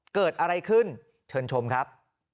เกิดอะไรขึ้นเชิญชมครับ